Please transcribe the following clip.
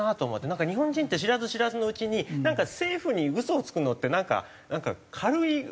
なんか日本人って知らず知らずのうちになんか政府に嘘をつくのってなんか軽い感覚。